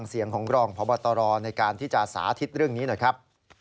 เสียงของรองพบตรในการที่จะสาธิตเรื่องนี้หน่อยครับ